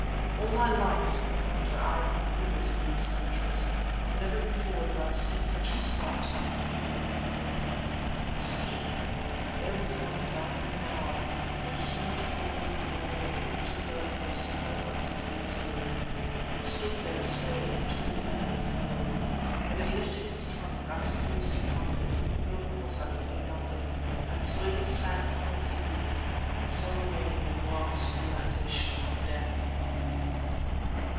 All my life as a hunter had I heard rumours of these cemeteries, but never before did I see such a spot even in a dream. See! There was one dying now, a huge gaunt bull that looked as though it were several hundred years old. It stood there swaying to and fro. Then it lifted its trunk, I suppose to trumpet, though of course I could hear nothing, and slowly sank upon its knees and so remained in the last relaxation of death.